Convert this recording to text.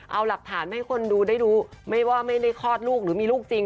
เอาหลักฐานมาให้คนดูได้ดูไม่ว่าไม่ได้คลอดลูกหรือมีลูกจริง